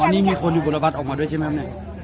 อันนี้มีคนอยู่บุรบัตรออกมาด้วยใช่ไหมครับ